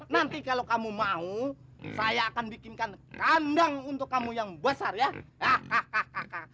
nanti kalau kamu mau saya akan bikinkan kandang untuk kamu yang besar ya hahaha